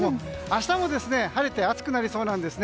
明日も晴れて暑くなりそうです。